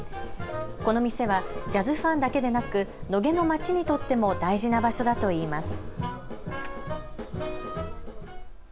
この店はジャズファンだけでなく野毛の街にとっても大事な場所だといいます。